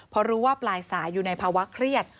พอรู้ว่าปลายสายอยู่ในภาวะเครียด